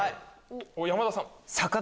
山田さん。